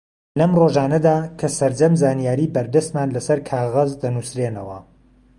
لەم ڕۆژانەدا کە سەرجەم زانیاری بەردەستمان لەسەر کاغەز دەنووسرێنەوە